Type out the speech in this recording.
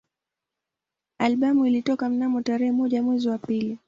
Albamu ilitoka mnamo tarehe moja mwezi wa pili